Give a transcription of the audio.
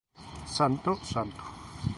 Santo, Santo